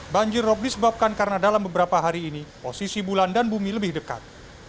banjir rob disebabkan karena dalam beberapa hari ini posisi bulan dan bumi lebih dekat